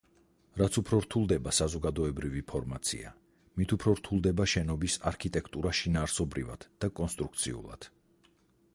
რაც უფრო რთულდება საზოგადოებრივი ფორმაცია, მით უფრო რთულდება შენობების არქიტექტურა შინაარსობრივად და კონსტრუქციულად.